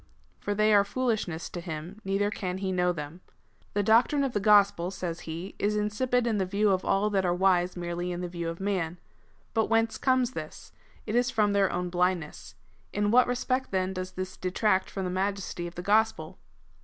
^ For they are foolishness to him, neither can he know them. " The doctrine of the gospel," says he, " is insipid^ in the view of all that are wise merely in the view of man. But whence comes this ? It is from their own blindness. In what respect, then, does this detract from the majesty of the gospel?"